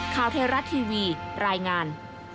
ข่าวเทราะท์ทีวีรายงาน